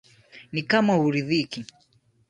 na kama huridhiki